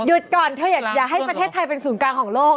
ก่อนเธออยากให้ประเทศไทยเป็นศูนย์กลางของโลก